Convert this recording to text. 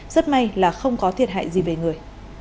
rất may là không có thiệt hại gì về người